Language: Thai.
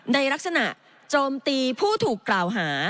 ในลักษณะโจมตีผู้ถูกกล่าวหา